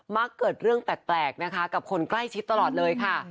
เกิดเรื่องแปลกนะคะกับคนใกล้ชิดตลอดเลยค่ะ